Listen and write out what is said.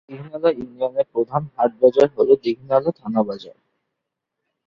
দীঘিনালা ইউনিয়নের প্রধান হাট-বাজার হল দীঘিনালা থানা বাজার।